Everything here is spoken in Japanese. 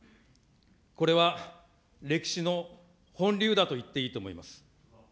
これは歴史の本流だといっていいと思います。